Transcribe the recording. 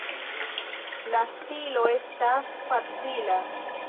La stilo estas facila.